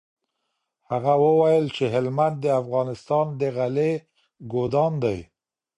هغه وویل چي هلمند د افغانستان د غلې ګودام دی.